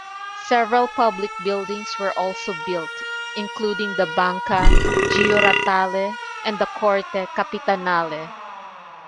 Several public buildings were also built, including the Banca Giuratale and the Corte Capitanale.